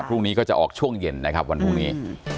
พรุ่งนี้ก็จะออกช่วงเย็นนะครับวันพรุ่งนี้